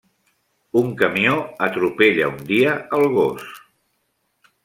Un camió atropella un dia el gos.